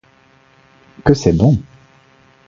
que c’est bon !